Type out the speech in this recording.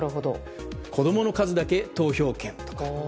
子供の数だけ投票権とか。